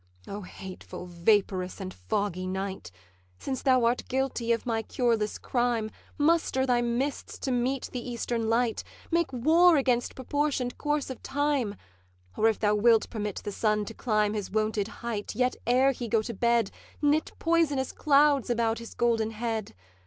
'O hateful, vaporous, and foggy Night! Since thou art guilty of my cureless crime, Muster thy mists to meet the eastern light, Make war against proportion'd course of time; Or if thou wilt permit the sun to climb His wonted height, yet ere he go to bed, Knit poisonous clouds about his golden head.